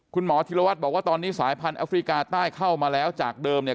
คุณหมอธิรวัตรบอกว่าตอนนี้สายพันธแอฟริกาใต้เข้ามาแล้วจากเดิมเนี่ย